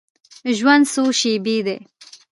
ژوند څو شیبې دی.